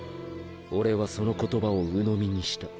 俺はその言葉を鵜呑みにした。